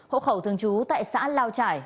hộ khẩu thường trú tại xã lao trải